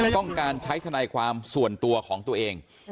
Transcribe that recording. ต้องการใช้ทนายความส่วนตัวของตัวเอง